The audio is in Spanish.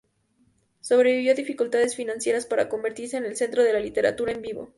Sobrevivió a dificultades financieras para convertirse en el centro de la literatura en vivo.